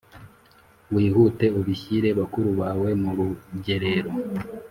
wihute ubishyire bakuru bawe mu rugerero